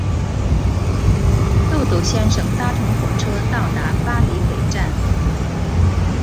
豆豆先生搭乘火车到达巴黎北站。